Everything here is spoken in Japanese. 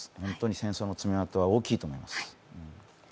本当に戦争の爪痕は大きいと思います。